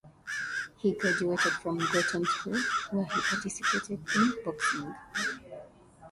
He graduated from Groton School, where he participated in boxing.